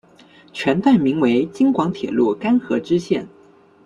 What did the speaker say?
全段名为京广铁路邯和支线。